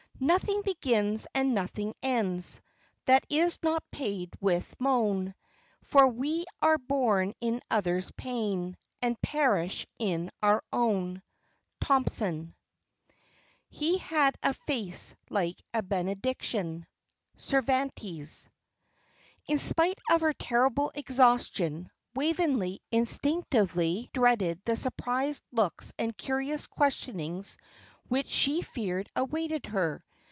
"Nothing begins and nothing ends That is not paid with moan, For we are born in other's pain And perish in our own." THOMPSON. "He had a face like a benediction." CERVANTES. In spite of her terrible exhaustion, Waveney instinctively dreaded the surprised looks and curious questionings which she feared awaited her.